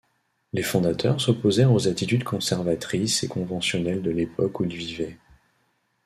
Les fondateurs s'opposèrent aux attitudes conservatrices et conventionnelles de l'époque où ils vivaient.